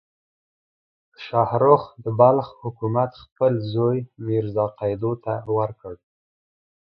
شاهرخ د بلخ حکومت خپل زوی میرزا قیدو ته ورکړ.